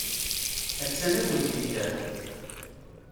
Attan akked Peter.